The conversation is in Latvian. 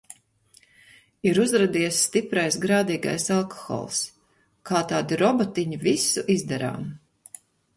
Ir uzradies stiprais grādīgais alkohols. Kā tādi robotiņi visu izdarām.